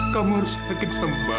kamu harus yakin sama bapak